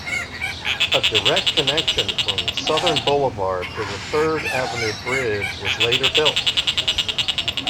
A direct connection from Southern Boulevard to the Third Avenue Bridge was later built.